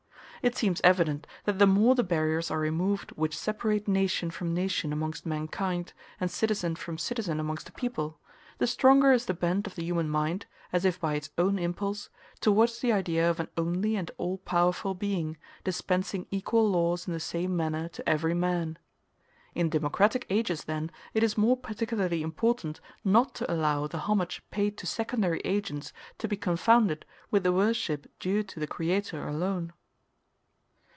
It seems evident, that the more the barriers are removed which separate nation from nation amongst mankind, and citizen from citizen amongst a people, the stronger is the bent of the human mind, as if by its own impulse, towards the idea of an only and all powerful Being, dispensing equal laws in the same manner to every man. In democratic ages, then, it is more particularly important not to allow the homage paid to secondary agents to be confounded with the worship due to the Creator alone.